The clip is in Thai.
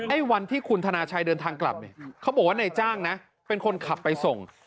วันที่คุณธนาชัยเดินทางกลับเนี่ยเขาบอกว่านายจ้างนะเป็นคนขับไปส่ง